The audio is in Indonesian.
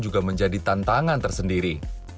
juga menjadi tantangan tersendiri